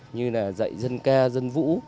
như là dạy dân ca dân vũ